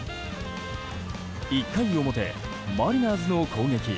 １回表、マリナーズの攻撃。